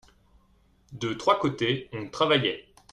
De trois côtés on travaillait.